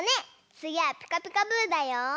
つぎは「ピカピカブ！」だよ。